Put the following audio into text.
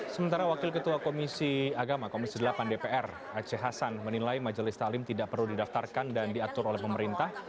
sementara wakil ketua komisi agama komisi delapan dpr aceh hasan menilai majelis talim tidak perlu didaftarkan dan diatur oleh pemerintah